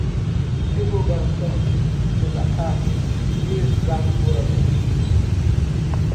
revogação, desacato, desaforamento